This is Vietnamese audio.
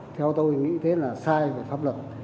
theo tôi nghĩ thế là sai về pháp luật